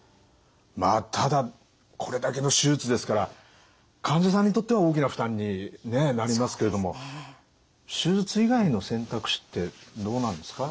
まあただこれだけの手術ですから患者さんにとっては大きな負担になりますけれども手術以外の選択肢ってどうなんですか？